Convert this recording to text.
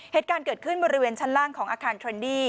เหตุการณ์เกิดขึ้นบริเวณชั้นล่างของอาคารเทรนดี้